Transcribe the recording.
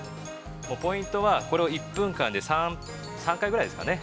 ポイントは、１分間で３回ぐらいですかね